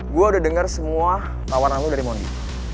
gue udah denger semua tawaran lo dari mondi